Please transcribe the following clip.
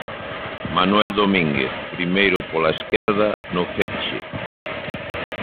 Manuel Domínguez, primeiro pola esquerda, no feche.